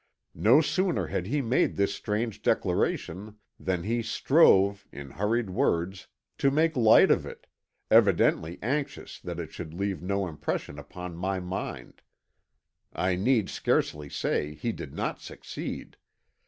No sooner had he made this strange declaration than he strove, in hurried words, to make light of it, evidently anxious that it should leave no impression upon my mind. I need scarcely say he did not succeed.